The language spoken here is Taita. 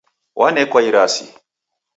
Wanekwa irasi